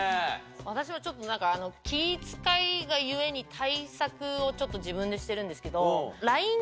私はちょっと気ぃ使いいが故に対策をちょっと自分でしてるんですけど。